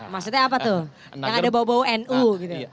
maksudnya apa tuh yang ada bau bau nu gitu